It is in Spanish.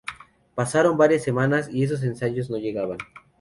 Pasaron varias semanas y esos ensayos no llegaban.